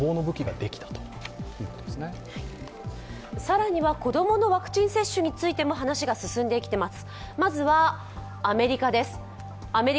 更には子供のワクチン接種についても話が進んできています。